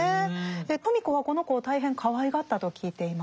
芙美子はこの子を大変かわいがったと聞いています。